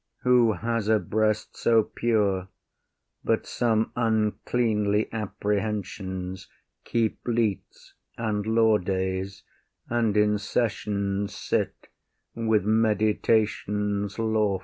Who has a breast so pure But some uncleanly apprehensions Keep leets and law days, and in session sit With meditations lawful?